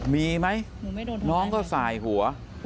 มีไหมน้องก็สายหัว